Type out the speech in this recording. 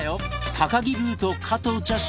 高木ブーと加藤茶集合！